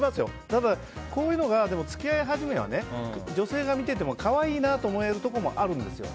ただ、こういうのが付き合い始めは女性が見てても可愛いなと思えるとこもあるんですよ。